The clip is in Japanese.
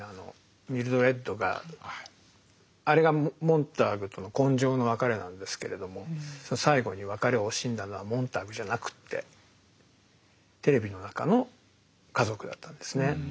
ミルドレッドがあれがモンターグとの今生の別れなんですけれども最後に別れを惜しんだのはモンターグじゃなくってテレビの中の「家族」だったんですね。